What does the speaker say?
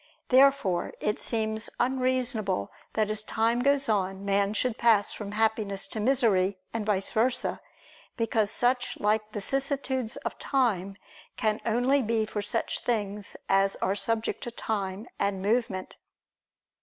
Therefore it seems unreasonable that as time goes on, man should pass from happiness to misery, and vice versa; because such like vicissitudes of time can only be for such things as are subject to time and movement.